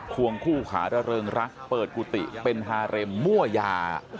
วงคู่ขาระเริงรักเปิดกุฏิเป็นฮาเร็มมั่วยา